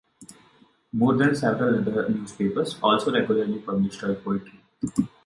More than several other newspapers also regularly published her poetry.